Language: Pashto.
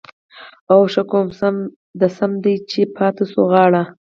ـ اوښه کوم ځاى د سم دى ،چې پاتې شوه غاړه؟؟